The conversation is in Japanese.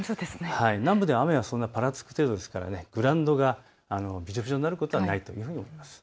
南部では雨はぱらつく程度ですからグラウンドがぐしゃぐしゃになることはないと思います。